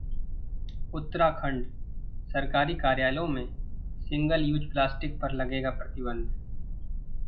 उत्तराखंड: सरकारी कार्यालयों में सिंगल यूज प्लास्टिक पर लगेगा प्रतिबंध